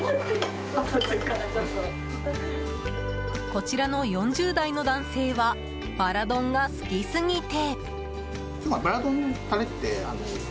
こちらの４０代の男性はバラ丼が好きすぎて。